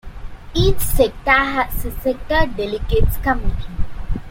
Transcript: Each sector has a sector delegates’ committee.